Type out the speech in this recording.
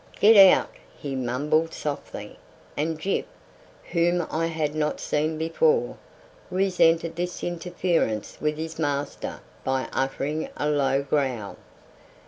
"Get out!" he mumbled softly; and Gyp, whom I had not seen before, resented this interference with his master by uttering a low growl.